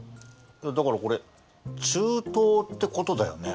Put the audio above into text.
だからこれ中東ってことだよね？